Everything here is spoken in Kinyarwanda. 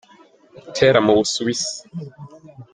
butera mu Busuwisi